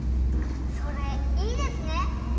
それいいですね！